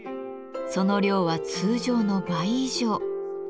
その量は通常の倍以上。